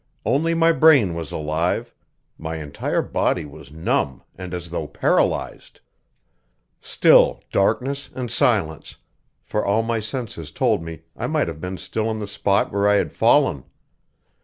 Only my brain was alive; my entire body was numb and as though paralyzed. Still darkness and silence, for all my senses told me I might have been still in the spot where I had fallen.